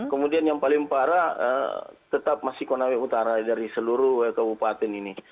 kemudian yang paling parah tetap masih konawe utara dari seluruh kabupaten ini